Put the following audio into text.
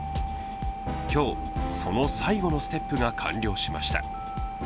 今日、その最後のステップが完了しました。